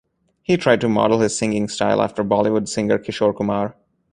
He tried to model his singing style after Bollywood singer Kishore Kumar.